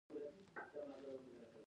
ناول د معنا موندنې یوه هڅه وه.